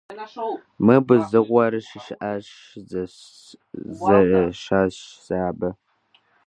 - Мыбы зыгуэр щыщыӀэщ, – жесӀащ сэ абы.